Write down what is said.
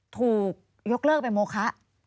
ถูกยกเลิกเป็นโมคะ